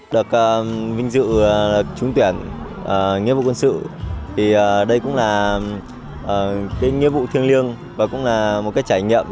được vinh dự trúng tuyển nghĩa vụ quân sự thì đây cũng là nghĩa vụ thiêng liêng và cũng là một trải nghiệm